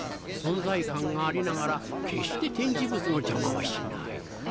存在感がありながら決して展示物の邪魔はしない。